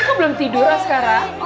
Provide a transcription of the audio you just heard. ini kok belum tidur azkara